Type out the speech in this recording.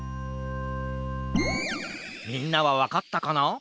みんなはわかったかな？